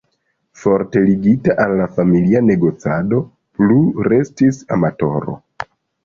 Forte ligita al familia negocado plu restis amatoro.